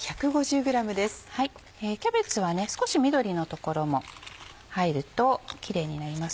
キャベツは少し緑の所も入るとキレイになります。